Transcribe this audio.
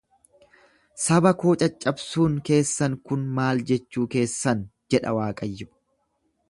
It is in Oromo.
Saba koo caccabsuun keessan kun maal jechuu keessan jedha Waaqayyo.